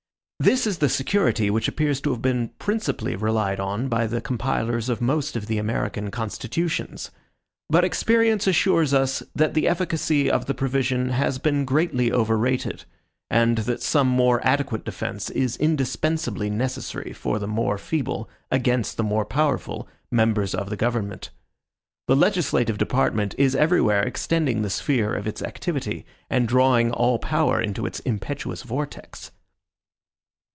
This is the security which appears to have been principally relied on by the compilers of most of the American constitutions. But experience assures us, that the efficacy of the provision has been greatly overrated; and that some more adequate defense is indispensably necessary for the more feeble, against the more powerful, members of the government. The legislative department is everywhere extending the sphere of its activity, and drawing all power into its impetuous vortex.